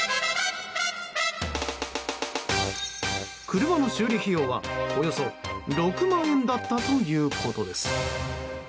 車の修理費用はおよそ６万円だったということです。